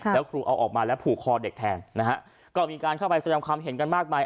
แล้วครูเอาออกมาแล้วผูกคอเด็กแทนนะฮะก็มีการเข้าไปแสดงความเห็นกันมากมาย